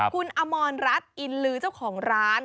คุณอมรรัฐอินลือเจ้าของร้าน